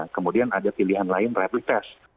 kemudian ada pilihan lain replitest